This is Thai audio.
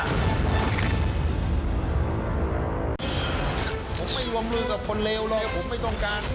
ผมไม่รวมรู้กับคนเลวหรอกผมไม่ต้องการ